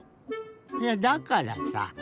いやだからさ